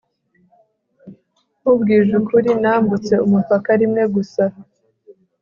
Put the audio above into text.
nkubwije ukuri, nambutse umupaka rimwe gusa